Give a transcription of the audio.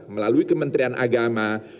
melalui kementrian agama